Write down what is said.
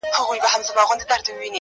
خلک بېلابېل اوازې جوړوي تل,